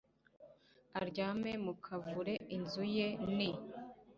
aryamye mu kavure, inzu ye ni